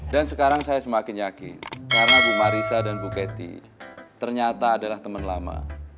dan sekarang saya semakin yakin karena bu marissa dan bu cathy ternyata adalah temen lama